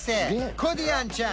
コディアンちゃん